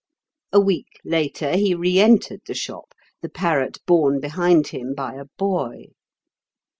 A week later he re entered the shop, the parrot borne behind him by a boy.